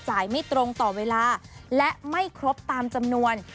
ไม่ตรงต่อเวลาและไม่ครบตามจำนวน